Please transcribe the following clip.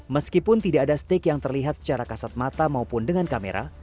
meskipun tidak ada stick yang terlihat secara kasat mata maupun dengan kamera